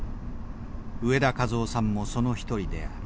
植田一雄さんもその一人である。